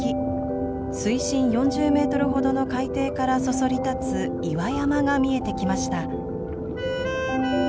水深４０メートルほどの海底からそそり立つ岩山が見えてきました。